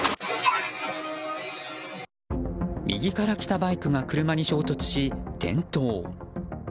右から来たバイクが車に衝突し、転倒。